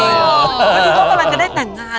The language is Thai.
วันนี้ก็กำลังจะได้แต่งงาน